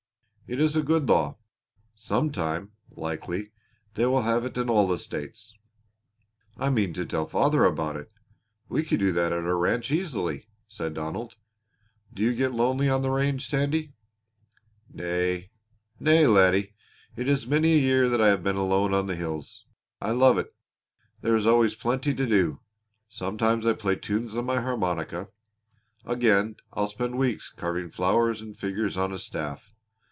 It is a good law. Some time, likely, they will have it in all the states." "I mean to tell father about it. We could do that at our ranch easily," said Donald. "Do you get lonely on the range, Sandy?" "Nay, nay, laddie. It is many a year that I have been alone on the hills. I love it. There is always plenty to do. Sometimes I play tunes on my harmonica. Again I'll spend weeks carving flowers and figures on a staff.